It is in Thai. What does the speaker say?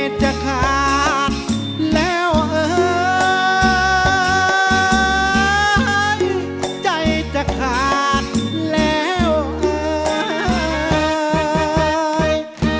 ใจจะขาดแล้วเอ้ยใจจะขาดแล้วเอ้ย